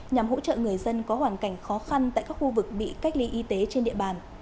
nhằm hỗ trợ người dân có hoàn cảnh khó khăn tại các khu vực bị cách ly y tế trên địa bàn